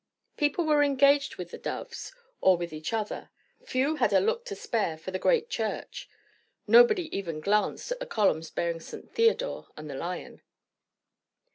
People were engaged with the doves, or with each other; few had a look to spare for the great church; nobody even glanced at the columns bearing St. Theodore and the Lion.